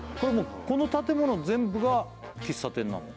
この建物全部が喫茶店なの？